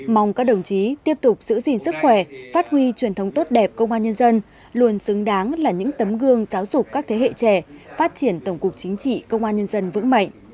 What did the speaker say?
mong các đồng chí tiếp tục giữ gìn sức khỏe phát huy truyền thống tốt đẹp công an nhân dân luôn xứng đáng là những tấm gương giáo dục các thế hệ trẻ phát triển tổng cục chính trị công an nhân dân vững mạnh